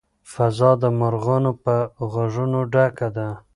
فضا د مرغانو په غږونو ډکه ده.